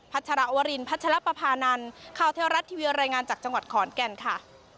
ชรวรินพัชรปภานันข่าวเทวรัฐทีวีรายงานจากจังหวัดขอนแก่นค่ะ